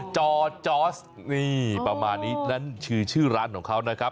จอจอร์สนี่ประมาณนี้นั่นชื่อชื่อร้านของเขานะครับ